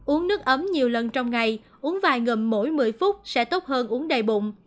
uống nước ấm nhiều lần trong ngày uống vài ngầm mỗi một mươi phút sẽ tốt hơn uống đầy bụng